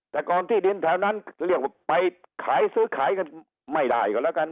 แต่ก่อนที่ดินแถวนั้นเรียกว่าไปขายซื้อขายกันไม่ได้ก่อนแล้วกัน